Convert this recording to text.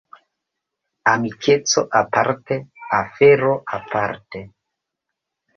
Amikeco aparte, afero aparte.